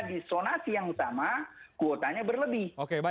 disonasi yang utama kuotanya berlebih